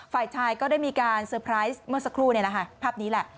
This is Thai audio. ฝ่ายชายก็ได้มีการเซอร์ไพรส์เมื่อสักครู่เนี่ยแหละค่ะ